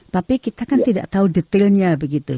tapi kita kan tidak tahu detailnya begitu